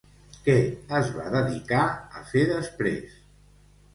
Què es va dedicar a fer després?